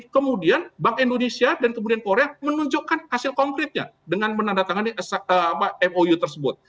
kemudian bank indonesia dan kemudian korea menunjukkan hasil konkretnya dengan menandatangani mou tersebut